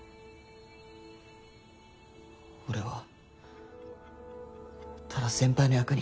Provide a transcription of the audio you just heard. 俺はただ先輩の役に。